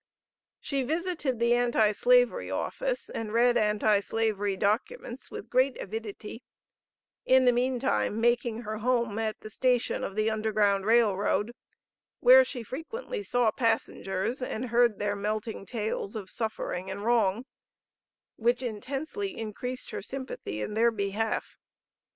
She visited the Anti Slavery Office and read Anti Slavery documents with great avidity; in the mean time making her home at the station of the Underground Rail Road, where she frequently saw passengers and heard their melting tales of suffering and wrong, which intensely increased her sympathy in their behalf.